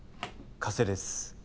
加瀬です